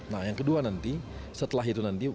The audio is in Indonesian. nah yang kedua nanti setelah itu nanti